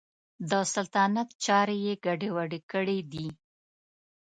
د سلطنت چارې یې ګډې وډې کړي دي.